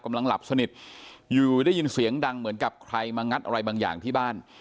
กำลังหลับสนิทอยู่ได้ยินเสียงดังเหมือนกับใครมางัดอะไรบางอย่างที่บ้าน